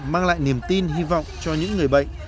mang lại niềm tin hy vọng cho những người bệnh